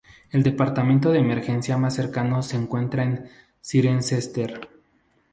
El Departamento de Emergencia más cercano se encuentra en Cirencester.